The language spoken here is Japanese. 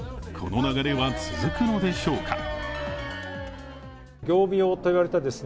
この流れは続くのでしょうか。